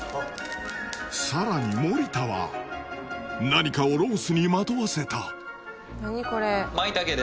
さらに森田は何かをロースにまとわせた何これ？